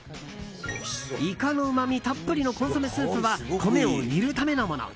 イカのうまみたっぷりのコンソメスープは米を煮るためのもの。